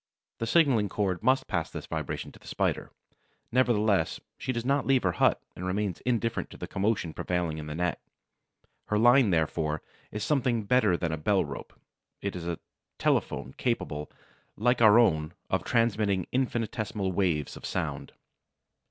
The signaling cord must pass this vibration to the Spider. Nevertheless, she does not leave her hut and remains indifferent to the commotion prevailing in the net. Her line, therefore, is something better than a bell rope; it is a telephone capable, like our own, of transmitting infinitesimal waves of sound.